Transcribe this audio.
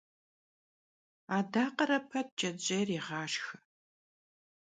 Adakhere pet cecêyr yêğaşşxe.